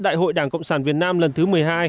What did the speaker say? đại hội đảng cộng sản việt nam lần thứ một mươi hai